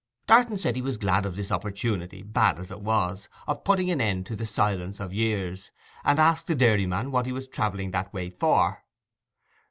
Darton said he was glad of this opportunity, bad as it was, of putting an end to the silence of years, and asked the dairyman what he was travelling that way for.